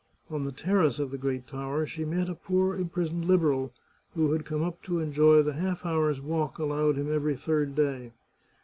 On the terrace of the great tower she met a poor im prisoned Liberal, who had come up to enjoy the half hour's walk allowed him every third day.